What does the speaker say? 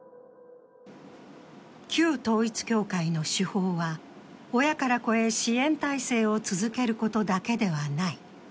旧統一教会の手法は、親から子へ支援体制を続けることだけではない。